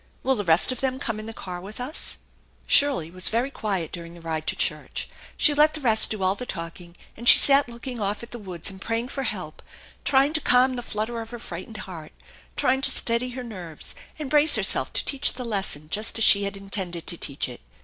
Will the rest of them come in the car with us ?" Shirley was very quiet during the ride to church. She let the rest do all the talking, and she sat looking off at the woods and praying for help, trying to calm the flutter of her frightened heart, trying to steady her nerves and brace her self to teach the lesson just as she had intended to teach it.